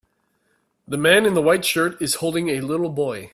The man in the white shirt is holding a little boy